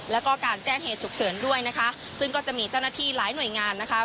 แล้วก็การแจ้งเหตุฉุกเฉินด้วยนะคะซึ่งก็จะมีเจ้าหน้าที่หลายหน่วยงานนะคะ